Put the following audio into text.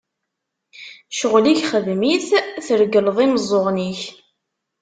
Ccɣel-ik xdem-it, tregleḍ imeẓẓuɣen-ik!